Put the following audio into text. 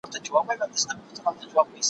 ما د سبا لپاره د سوالونو جواب ورکړی دی!!